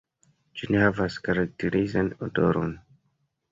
Ĝi ne havas karakterizan odoron.